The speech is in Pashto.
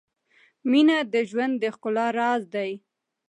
• مینه د ژوند د ښکلا راز دی.